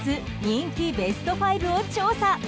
人気ベスト５を調査。